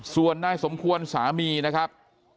ส่วนนายสมควรสามีนะครับ